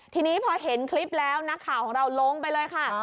ทีนี้พอเห็นคลิปแล้วนักข่าวของเราลงไปเลยค่ะ